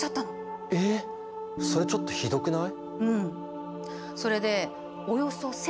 それちょっとひどくない？